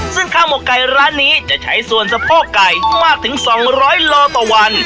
ซึ่งข้าวหมกไก่ร้านนี้จะใช้ส่วนสะโพกไก่มากถึง๒๐๐โลต่อวัน